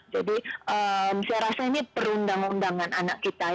jadi saya rasa ini perundang undangan anak kita ya